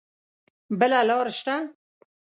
بله لار شته؟